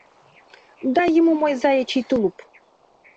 Дай ему мой заячий тулуп».